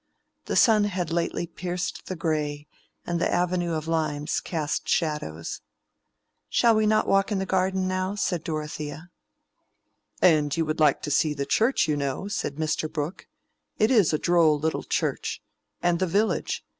The sun had lately pierced the gray, and the avenue of limes cast shadows. "Shall we not walk in the garden now?" said Dorothea. "And you would like to see the church, you know," said Mr. Brooke. "It is a droll little church. And the village.